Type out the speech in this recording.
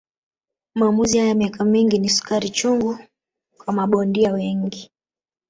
Maamuzi haya ya miaka mingi ni sukari chungu kwa mabondia wengi